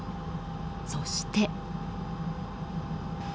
そして。